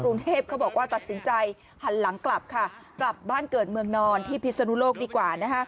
กรุงเทพเขาบอกว่าตัดสินใจหันหลังกลับค่ะกลับบ้านเกิดเมืองนอนที่พิศนุโลกดีกว่า